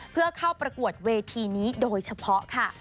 เพื่อเข้าประกวดเวทีนี้โดยเฉพาะค่ะ